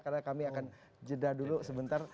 karena kami akan jeda dulu sebentar